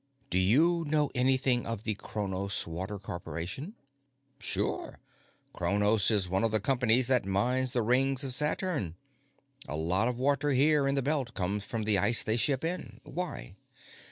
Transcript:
"Do you know anything of the Cronos Water Corporation?" "Sure. Cronos is one of the companies that mines the rings of Saturn. A lot of the water here in the Belt comes from the ice they ship in. Why?"